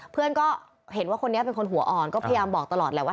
เพื่อนก็เห็นว่าคนนี้เป็นคนหัวอ่อนก็พยายามบอกตลอดแหละว่า